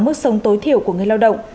mức sống tối thiểu của người lao động